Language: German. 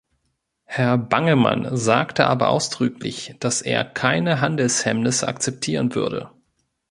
Herr Bangemann sagte aber ausdrücklich, dass er keine Handelshemmnisse akzeptieren würde.